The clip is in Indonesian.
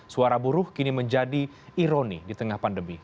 suara buruh kini menjadi ironi di tengah pandemi